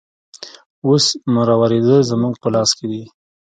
اوس مروارید زموږ په لاس کې دی.